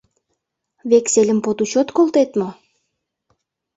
— Вексельым под учет колтет мо?